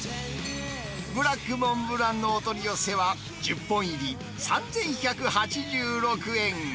ブラックモンブランのお取り寄せは１０本入り３１８６円。